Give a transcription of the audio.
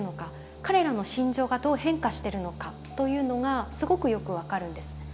彼らの心情がどう変化してるのかというのがすごくよく分かるんですね。